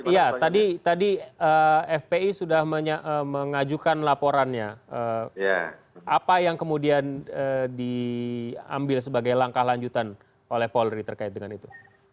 ya tadi fpi sudah mengajukan laporannya apa yang kemudian diambil sebagai langkah lanjutan oleh polri terkait dengan itu